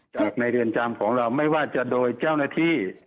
จากในเรือนจำของเราไม่ว่าจะโดยเจ้าหน้าที่